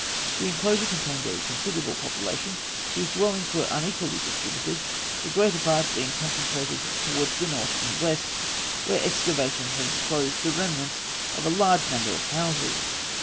The enclosure contained a considerable population, whose dwellings were unequally distributed, the greater part being concentrated towards the north and west, where excavations have disclosed the remains of a large number of houses.